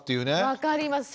分かります。